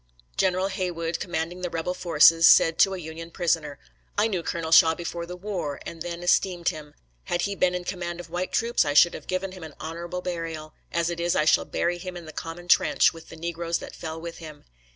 General Haywood, commanding the rebel forces, said to a Union prisoner: "I knew Colonel Shaw before the war, and then esteemed him. Had he been in command of white troops, I should have given him an honorable burial. As it is, I shall bury him in the common trench, with the negroes that fell with him."